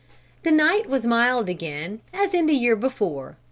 The night was mild again, as in the year before.